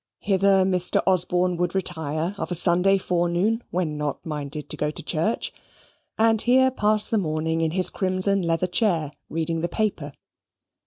Hither Mr. Osborne would retire of a Sunday forenoon when not minded to go to church; and here pass the morning in his crimson leather chair, reading the paper.